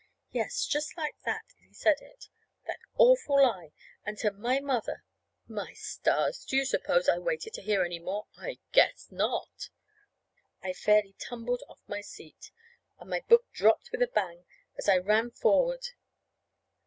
Yes, just like that he said it that awful lie and to my mother. My stars! Do you suppose I waited to hear any more? I guess not! [Illustration: "WHY MUST YOU WAIT, DARLING?"] I fairly tumbled off my seat, and my book dropped with a bang, as I ran forward.